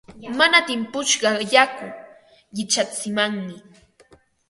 Mana timpushqa yaku qichatsimanmi.